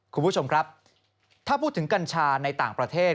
คุณผู้ชมครับถ้าพูดถึงกัญชาในต่างประเทศ